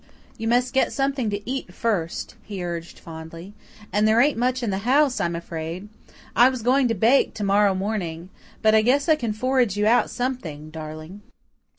"You must get something to eat first," he urged fondly. "And there ain't much in the house, I'm afraid. I was going to bake to morrow morning. But I guess I can forage you out something, darling."